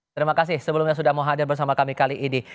terima kasih sebelumnya sudah mau hadir bersama kami kali ini